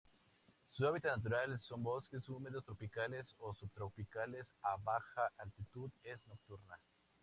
Su hábitat natural son bosques húmedos tropicales o subtropicales a baja altitud; es nocturna.